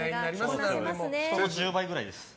人の１０倍くらいです。